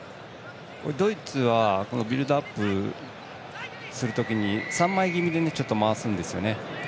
ドイツはビルドアップする時に３枚気味で回すんですね。